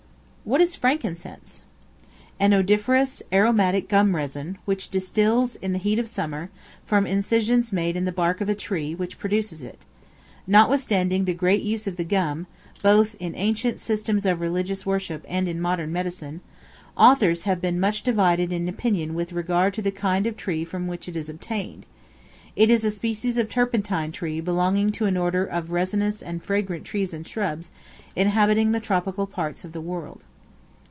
What is Frankincense? An odoriferous, aromatic gum resin, which distils, in the heat of summer, from incisions made in the bark of the tree which produces it: notwithstanding the great use of the gum, both in ancient systems of religious worship and in modern medicine, authors have been much divided in opinion with regard to the kind of tree from which it is obtained; it is a species of turpentine tree belonging to an order of resinous and fragrant trees and shrubs inhabiting the tropical parts of the world.